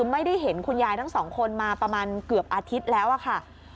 ไม่ได้เห็นคุณยายทั้งสองคนมาประมาณเกือบอาทิตย์แล้วอะค่ะ